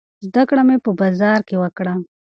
زده کړه مې په بازار کې وکړه.